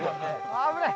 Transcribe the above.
危ない。